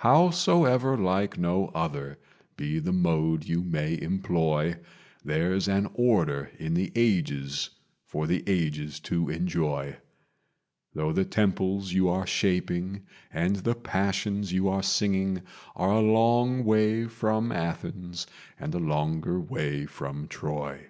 "Howsoever like no other be the mode you may employ, There's an order in the ages for the ages to enjoy; Though the temples you are shaping and the passions you are singing Are a long way from Athens and a longer way from Troy.